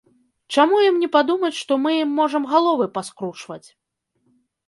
Чаму ім не падумаць, што мы ім можам галовы паскручваць!